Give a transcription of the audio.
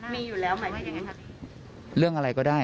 มีอยู่แล้วหมายถึง